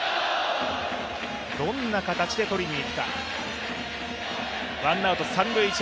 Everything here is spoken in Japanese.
どんな形で取りにいくか。